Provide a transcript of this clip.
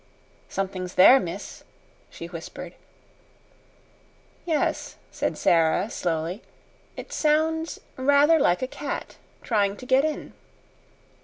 "Something's there, miss," she whispered. "Yes," said Sara, slowly. "It sounds rather like a cat trying to get in."